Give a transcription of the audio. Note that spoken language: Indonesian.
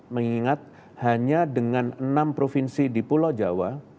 mengingat hanya dengan enam provinsi di pulau jawa